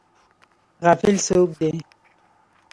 غافل څوک دی؟